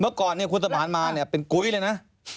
เมื่อก่อนคุณสมาร์ทมาเป็นกุ๊ยเลยนะ